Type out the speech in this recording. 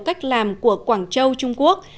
cách làm của quảng châu trung quốc